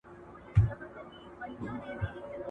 ته به هغه وخت ما غواړې چي زه تاته نیژدې کېږم